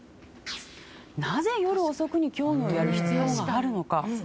なぜ夜遅くに競技をやる必要があるのか。